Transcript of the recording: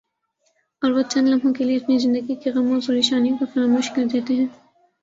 اور وہ چند لمحوں کے لئے اپنی زندگی کے غموں اور پر یشانیوں کو فراموش کر دیتے ہیں ۔